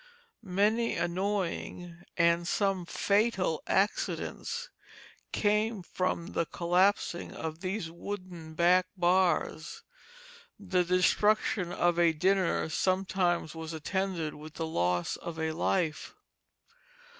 Many annoying, and some fatal accidents came from the collapsing of these wooden back bars. The destruction of a dinner sometimes was attended with the loss of a life.